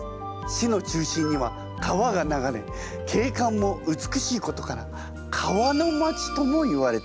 市の中心には川が流れ景観も美しいことから川の街ともいわれているそうよ。